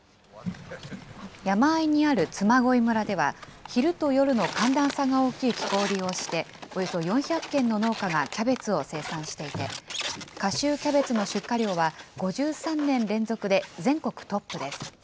山あいにある嬬恋村では、昼と夜の寒暖差が大きい気候を利用して、およそ４００軒の農家がキャベツを生産していて、夏秋キャベツの出荷量は５３年連続で全国トップです。